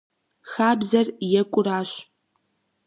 Хабзэр екӀуращ.